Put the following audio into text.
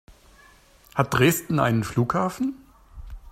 Hat Dresden einen Flughafen?